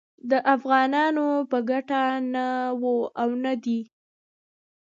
د افغانانو په ګټه نه و او نه دی